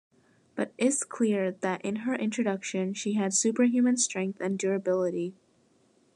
But is clear that in her introduction she had superhuman strength and durability.